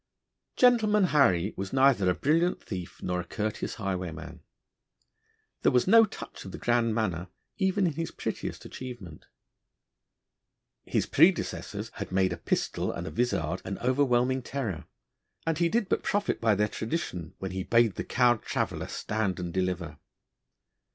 'Gentleman Harry' was neither a brilliant thief nor a courteous highwayman. There was no touch of the grand manner even in his prettiest achievement. His predecessors had made a pistol and a vizard an overwhelming terror, and he did but profit by their tradition when he bade the cowed traveller stand and deliver.